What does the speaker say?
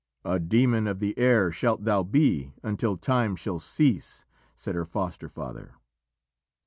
"A demon of the air shalt thou be until time shall cease!" said her foster father.